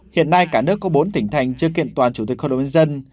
hiện nay cả nước có bốn tỉnh thành chưa kiện toàn chủ tịch hội đồng nhân dân